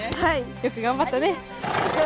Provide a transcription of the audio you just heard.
よく頑張ったね！